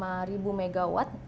masih didominasi oleh fossil fuel gitu